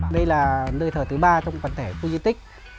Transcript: đây là nơi thờ thứ ba trong quần thể khu di tích